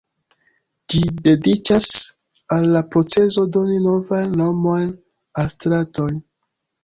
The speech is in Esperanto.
Ĝi dediĉas al la procezo doni novajn nomojn al stratoj.